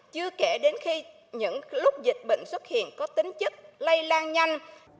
chưa kể đến khi những lúc dịch bệnh xuất hiện có tính chất lây lan nhanh